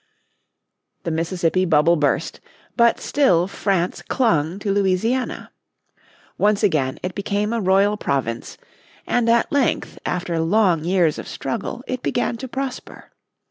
The Mississippi bubble burst, but still France clung to Louisiana. Once again it became a royal province, and at length after long years of struggle it began to prosper.